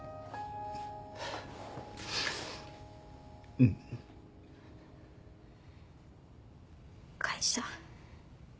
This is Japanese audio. うん。会社。